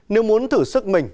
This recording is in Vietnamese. nếu muốn thử sức mình